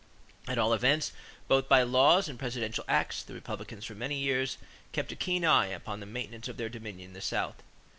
At all events, both by laws and presidential acts, the Republicans for many years kept a keen eye upon the maintenance of their dominion in the South.